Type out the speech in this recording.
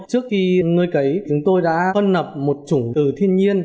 trước khi nuôi cấy chúng tôi đã phân nập một chủng từ thiên nhiên